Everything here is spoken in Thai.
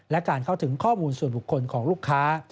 และการเข้าถึงข้อมูลส่วนบุคคลของลูกค้า